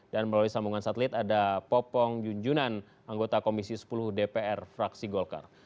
dan melalui sambungan satelit ada popong junjunan anggota komisi sepuluh dpr fraksi golkar